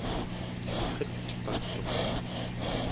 pirretpagtuq